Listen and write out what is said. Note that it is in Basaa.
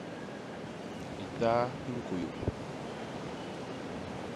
Hitaa hi ñkôyôp.